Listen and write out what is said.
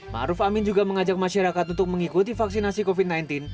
maruf amin juga mengajak masyarakat untuk mengikuti vaksinasi covid sembilan belas